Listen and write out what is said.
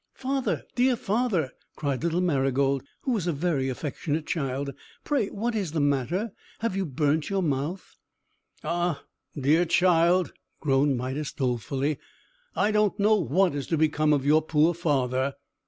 "Father, dear father!" cried little Marygold, who was a very affectionate child, "pray what is the matter? Have you burnt your mouth?" "Ah, dear child," groaned Midas, dolefully, "I don't know what is to become of your poor father!"